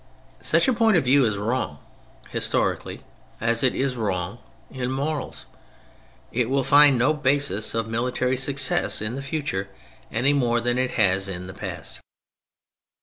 Such a point of view is wrong historically as it is wrong in morals. It will find no basis of military success in the future any more than it has in the past.